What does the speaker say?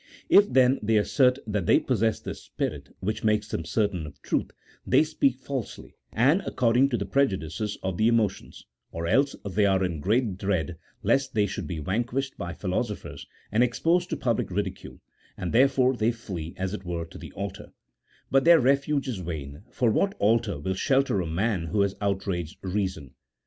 If then they assert that they possess this Spirit which makes them certain of truth, they speak falsely, and accord ing to the prejudices of the emotions, or else they are in great dread lest they should be vanquished by philosophers and exposed to public ridicule, and therefore they flee, as it were, to the altar ; but their refuge is vain, for what altar will shelter a man who has outraged reason